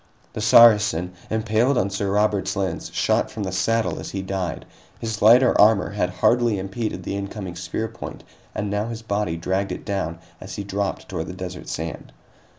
The Saracen, impaled on Sir Robert's lance, shot from the saddle as he died. His lighter armor had hardly impeded the incoming spear point, and now his body dragged it down as he dropped toward the desert sand.